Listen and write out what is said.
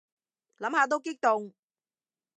諗下都激動